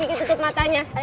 isi q tutup matanya